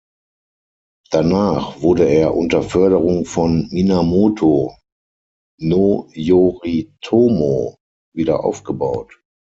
Danach wurde er unter Förderung von Minamoto no Yoritomo wieder aufgebaut.